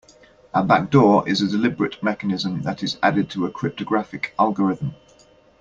A backdoor is a deliberate mechanism that is added to a cryptographic algorithm.